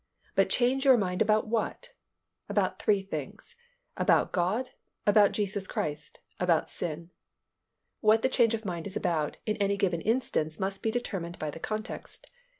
But change your mind about what? About three things; about God, about Jesus Christ, about sin. What the change of mind is about in any given instance must be determined by the context.